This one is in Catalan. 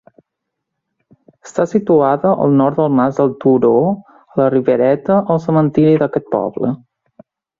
Està situada al nord del Mas del Turo, a la Ribereta, al cementiri d'aquest poble.